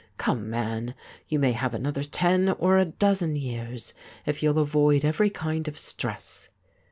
Come, man, you may have another ten or a dozen years, if you'll avoid every kind of stress.